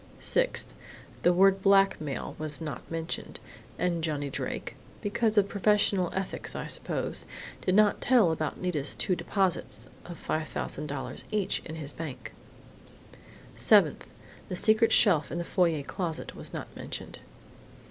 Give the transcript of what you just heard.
"Sixth: The word 'blackmail' was not mentioned, and Johnny Drake, because of professional ethics, I suppose, did not tell about Nita's two deposits of $5,000 each in his bank. "Seventh: The secret shelf in the foyer closet was not mentioned.